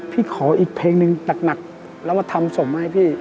พี่ขออีกเพลงหนึ่งหนักแล้วมาทำส่งมาให้พี่